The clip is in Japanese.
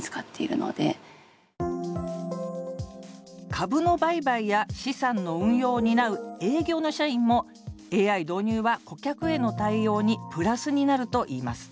株の売買や資産の運用を担う営業の社員もＡＩ導入は顧客への対応にプラスになるといいます